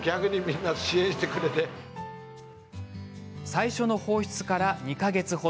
最初の放出から２か月程。